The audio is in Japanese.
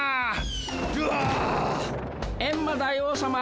エンマ大王さま